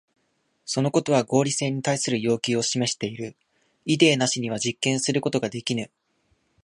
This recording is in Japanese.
そのことは合理性に対する要求を示している。イデーなしには実験することができぬ。